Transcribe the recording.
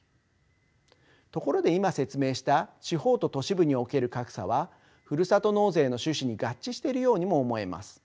ところで今説明した地方と都市部における格差はふるさと納税の趣旨に合致しているようにも思えます。